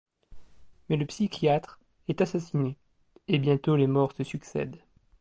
Mais le psychiatre est assassiné, et bientôt les morts se succèdent.